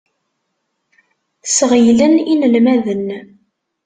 Sɣeylen inelmaden.